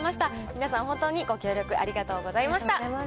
皆さん本当にご協力ありがとうございました。